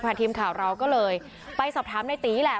ทีมข่าวเราก็เลยไปสอบถามในตีแหละ